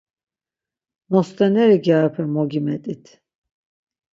Nostoneri gyarepe mogimet̆it.